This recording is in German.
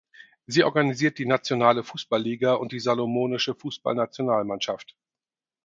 Sie organisiert die Nationale Fußballliga und die Salomonische Fußballnationalmannschaft.